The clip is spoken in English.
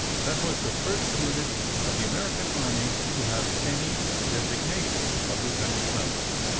That was the first unit of the American Army to have any designation other than its number.